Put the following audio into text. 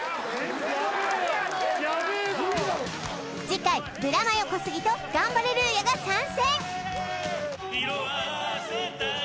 次回ブラマヨ小杉とガンバレルーヤが参戦！